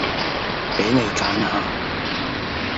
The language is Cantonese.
畀你揀下